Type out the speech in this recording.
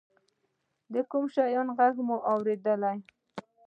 د کوم شي ږغ مې اورېده.